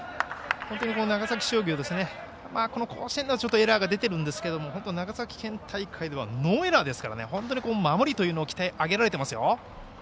本当に長崎商業甲子園ではエラーが出てますが長崎県大会ではノーエラーですから守りというものを鍛え上げられていますよ。